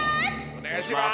お願いします！